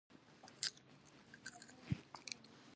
د هېواد مرکز د افغانانو د تفریح یوه وسیله ده.